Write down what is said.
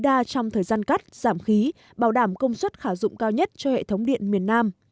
đa trong thời gian cắt giảm khí bảo đảm công suất khả dụng cao nhất cho hệ thống điện miền nam